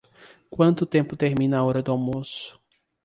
Quanto tempo termina a hora do almoço?